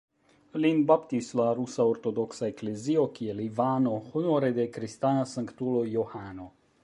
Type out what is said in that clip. Lin baptis la Rusa Ortodoksa Eklezio kiel Ivano honore de kristana sanktulo "Johano".